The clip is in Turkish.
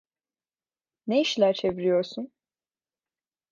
Ne işler çeviriyorsun?